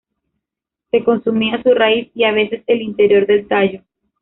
Se consumía su raíz y a veces el interior del tallo.